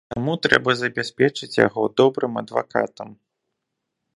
Таму трэба забяспечыць яго добрым адвакатам.